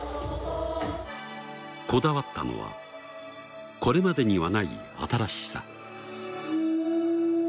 こだわったのはこれまでにはない新しさ。